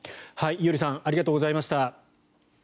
伊従さんありがとうございました。